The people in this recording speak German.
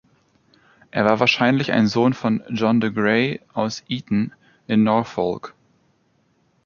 Er war wahrscheinlich ein Sohn von "John de Grey" aus "Eaton" in Norfolk.